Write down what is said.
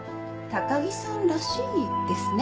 高木さんらしいですね。